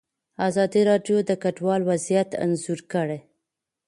ازادي راډیو د کډوال وضعیت انځور کړی.